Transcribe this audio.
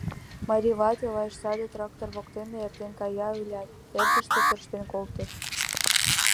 Марий вате лач саде трактор воктен эртен кая ылят, ӧрдыжкӧ тӧрштен колтыш.